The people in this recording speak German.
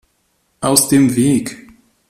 Aus dem Weg!